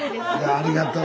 ありがとう。